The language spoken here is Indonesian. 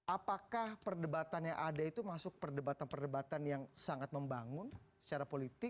apakah perdebatan yang ada itu masuk perdebatan perdebatan yang sangat membangun secara politik